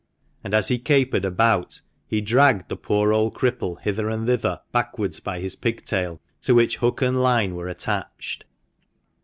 And, as he capered about, he dragged the poor old cripple hither and thither backwards by his pigtail, to which hook and line were attached.